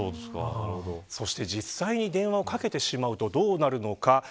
そして実際に、電話をかけてしまうとどうなってしまうのか。